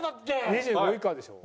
２５位以下でしょ。